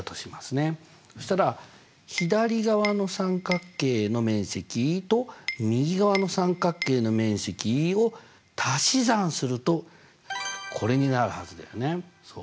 そしたら左側の三角形の面積と右側の三角形の面積を足し算するとこれになるはずだよねそう。